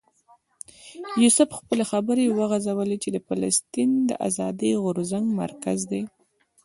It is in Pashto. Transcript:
یوسف خپلې خبرې وغځولې چې دا د فلسطین د آزادۍ غورځنګ مرکز دی.